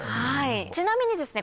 ちなみにですね